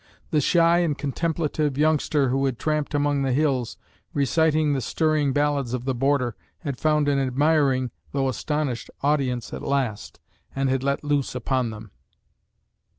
The shy and contemplative youngster who had tramped among the hills, reciting the stirring ballads of the border, had found an admiring tho astonished audience at last, and had let loose upon them.